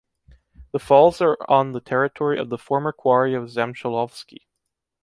The falls are on the territory of the former quarry of Zamchalovski.